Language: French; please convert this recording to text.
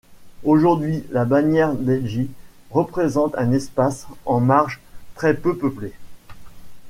Aujourd'hui, la bannière d'Ejin représente un espace en marge très peu peuplé.